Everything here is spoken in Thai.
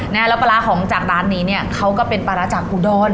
แล้วปลาร้าของจากร้านนี้เนี่ยเขาก็เป็นปลาร้าจากอุดร